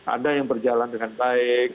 ada yang berjalan dengan baik